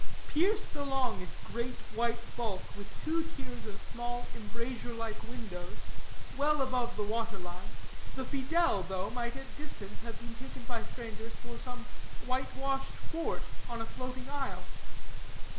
Pierced along its great white bulk with two tiers of small embrasure like windows, well above the waterline, the Fiddle, though, might at distance have been taken by strangers for some whitewashed fort on a floating isle.